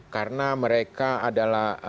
karena mereka adalah